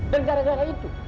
dan gara gara itu